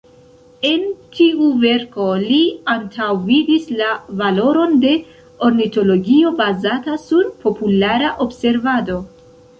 En tiu verko li antaŭvidis la valoron de ornitologio bazata sur populara observado.